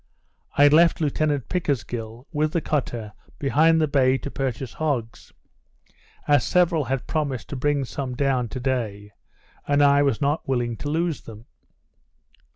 I left Lieutenant Pickersgill, with the cutter, behind the bay, to purchase hogs, as several had promised to bring some down to day, and I was not willing to lose them.